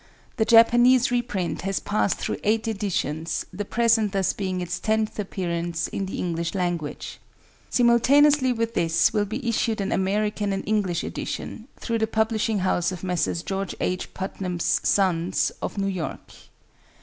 The Japanese reprint has passed through eight editions, the present thus being its tenth appearance in the English language. Simultaneously with this will be issued an American and English edition, through the publishing house of Messrs. George H. Putnam's Sons, of New York.